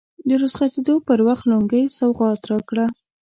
د رخصتېدو پر وخت لونګۍ سوغات راکړه.